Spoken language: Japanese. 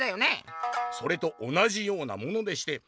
「それと同じようなものでして」。